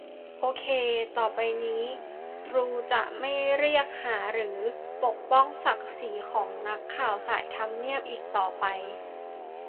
โอเค ต่อไปนี้ ตรูจะไม่เรียกหาหรือปกป้องศักดิ์ศรีของนักข่าวสายทำเนียบอีกต่อไป